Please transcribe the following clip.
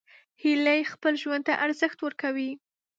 هیلۍ خپل ژوند ته ارزښت ورکوي